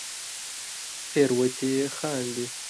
پیروتې خاندې